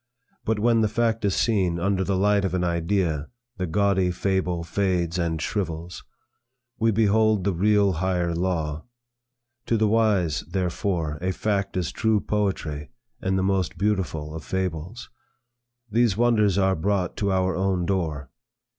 But when the fact is seen under the light of an idea, the gaudy fable fades and shrivels. We behold the real higher law. To the wise, therefore, a fact is true poetry, and the most beautiful of fables. These wonders are brought to our own door.